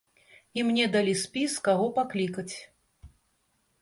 І мне далі спіс каго паклікаць.